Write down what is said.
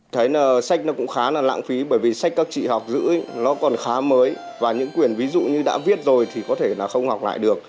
thấy là sách nó cũng khá là lãng phí bởi vì sách các chị học giữ nó còn khá mới và những quyển ví dụ như đã viết rồi thì có thể là không học lại được